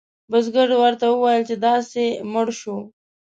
بزګر ورته وویل چې داسې مړ شو.